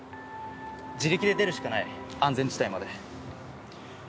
自力で出るしかない安全地帯まで。